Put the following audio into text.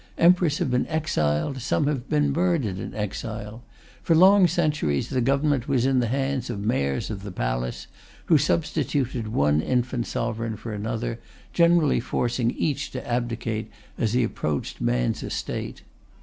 Emperors have been exiled; some have been murdered in exile.... For long centuries the Government was in the hands of Mayors of the Palace, who substituted one infant sovereign for another, generally forcing each to abdicate as he approached man's estate.